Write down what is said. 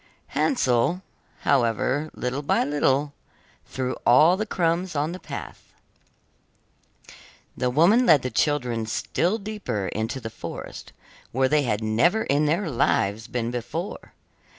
Hansel, however little by little, threw all the crumbs on the path. The woman led the children still deeper into the forest, where they had never in their lives been before.